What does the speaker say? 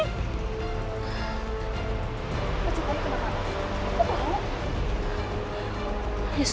aku cintanya kenapa